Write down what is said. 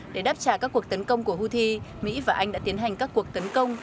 để đáp trả các cuộc tấn công của houthi mỹ và anh đã tiến hành các cuộc tấn công